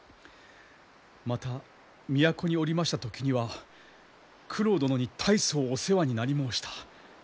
また都におりました時には九郎殿に大層お世話になり申した。